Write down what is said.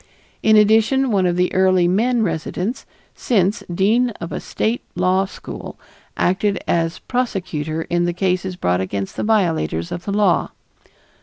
In addition, one of the early men residents, since dean of a state law school, acted as prosecutor in the cases brought against the violators of the law.